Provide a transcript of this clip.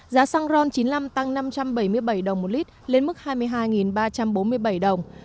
giá xăng ron chín mươi năm tăng sáu trăm bảy mươi năm đồng một lít lên mức hai mươi chín trăm linh sáu đồng một lít